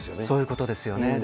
そういうことですよね。